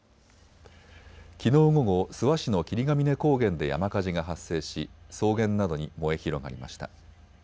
きのう午後、諏訪市の霧ヶ峰高原で山火事が発生し草原などに燃え広がりました。